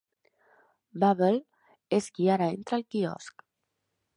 "Babble", és qui ara entra al quiosc.